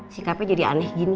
sikapnya jadi aneh gini